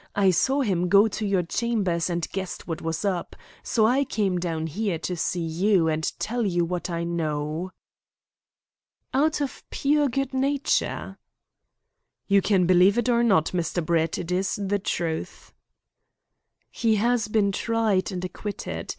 I saw him go to your chambers and guessed what was up, so I came down here to see you and tell you what I know." "Out of pure good nature?" "You can believe it or not, Mr. Brett. It is the truth." "He has been tried and acquitted.